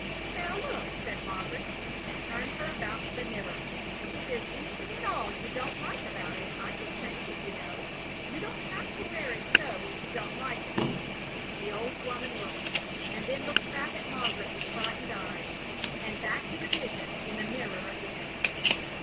"Now look!" said Margaret, and turned her about to the mirror. "If there's anything at all you don't like about it I can change it, you know. You don't have to wear it so if you don't like it." The old woman looked, and then looked back at Margaret with frightened eyes, and back to the vision in the mirror again.